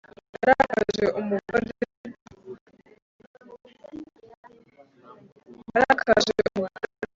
Narakaje umugore